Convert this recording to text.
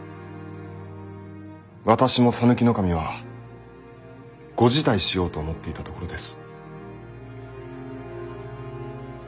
私も讃岐守はご辞退しようと思っていたところです。